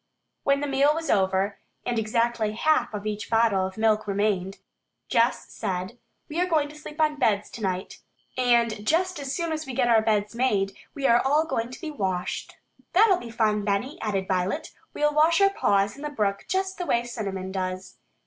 When the meal was over, and exactly half of each bottle of milk remained, Jess said, "We are going to sleep on beds tonight, and just as soon as we get our beds made, we are all going to be washed." "That'll be fun, Benny," added Violet. "We'll wash our paws in the brook just the way Cinnamon does."